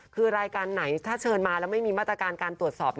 คือรายการไหนถ้าเชิญมาแล้วไม่มีมาตรการการตรวจสอบ